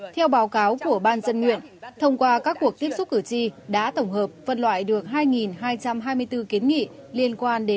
theo báo cáo của ban dân nguyện thông qua các cuộc tiếp xúc cử tri đã tổng hợp vật loại được hai hai trăm hai mươi bốn kiến nghị